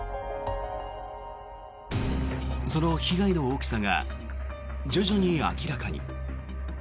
その被害の大きさが徐々に明らかに。